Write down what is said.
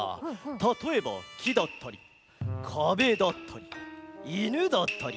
たとえばきだったりかべだったりいぬだったり。